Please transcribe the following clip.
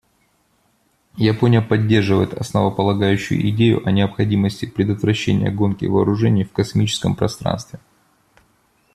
Япония поддерживает основополагающую идею о необходимости предотвращения гонки вооружений в космическом пространстве.